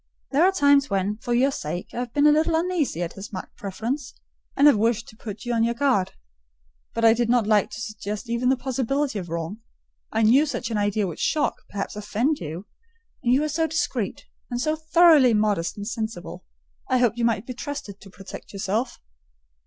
There are times when, for your sake, I have been a little uneasy at his marked preference, and have wished to put you on your guard: but I did not like to suggest even the possibility of wrong. I knew such an idea would shock, perhaps offend you; and you were so discreet, and so thoroughly modest and sensible, I hoped you might be trusted to protect yourself.